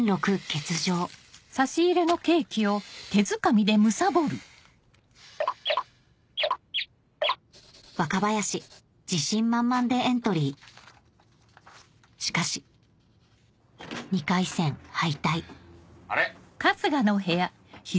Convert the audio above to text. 欠場若林自信満々でエントリーしかし２回戦敗退あれ？